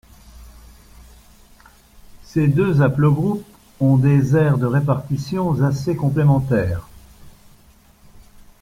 Ces deux haplogroupes ont des aires de répartitions assez complémentaires.